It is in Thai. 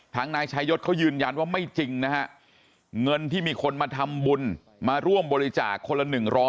นายชายศเขายืนยันว่าไม่จริงนะฮะเงินที่มีคนมาทำบุญมาร่วมบริจาคคนละ๑๐๐